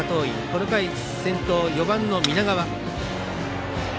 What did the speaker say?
この回先頭、４番の南川。